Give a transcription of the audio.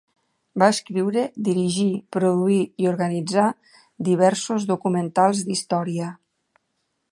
Va escriure, dirigir, produir i organitzar diversos documentals d'història.